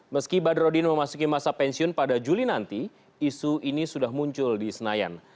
meski badrodin memasuki masa pensiun pada juli nanti isu ini sudah muncul di senayan